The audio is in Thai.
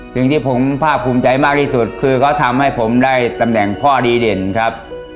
สิ่งที่ผมภาคภูมิใจมากที่สุดคือเขาทำให้ผมได้ตำแหน่งพ่อดีเด่นครับ